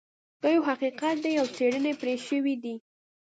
دا یو حقیقت دی او څیړنې پرې شوي دي